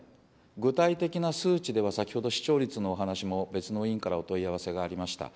具体的な数値では、先ほど視聴率のお話も別の委員からお問い合わせがありました。